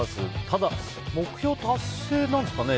ただ、目標達成なんですかね。